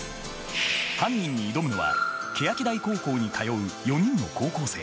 犯人に挑むのは欅台高校に通う４人の高校生。